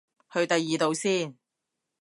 去第二度先